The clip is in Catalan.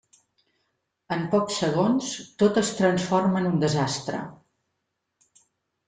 En pocs segons, tot es transforma en un desastre.